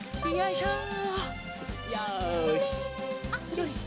よし！